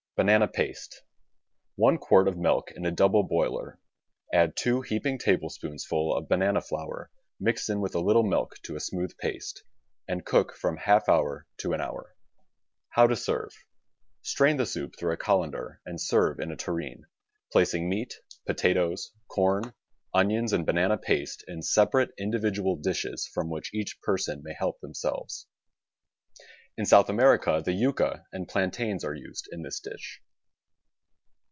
Banana Paste — One quart of milk in a double boiler ; add two heaping tablespoonsful of banana flour mixed in a little milk to a smooth paste, and cook from half hour to an hour. How to Serve — Strain the soup through a colander and serve in a tureen, placing meat, potatoes, corn, onions and banana THE STAG COOK BOOK paste in separate, individual dishes from which each per son may help themselves. (In South America the yucca and plantains are used in this dish.)